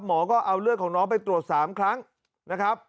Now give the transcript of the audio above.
หมอก็เอาเลือดของน้องไปตรวจ๓ครั้งนะครับ